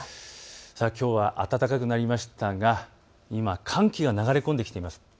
きょうは暖かくなりましたが今、寒気が流れ込んできています。